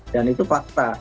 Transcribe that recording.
dan itu fakta